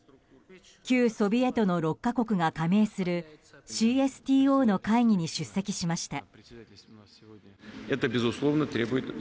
旧ソビエトの６か国が加盟するＣＳＴＯの会議に出席しました。